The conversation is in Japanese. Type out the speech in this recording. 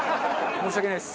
申し訳ないです。